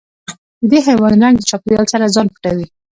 د دې حیوان رنګ د چاپېریال سره ځان پټوي.